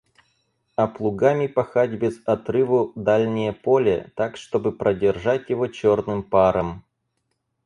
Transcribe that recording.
А плугами пахать без отрыву дальнее поле, так чтобы продержать его черным паром.